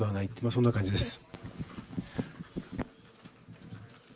そんな感じです。